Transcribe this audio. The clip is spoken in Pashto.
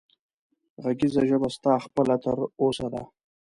غږېږه ژبه ستا خپله تر اوسه ده